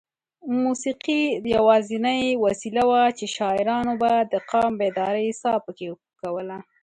موسېقي یوازینۍ وسیله وه چې شاعرانو به د قام بیدارۍ ساه پکې پو کوله.